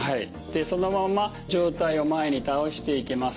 そのまま上体を前に倒していきます。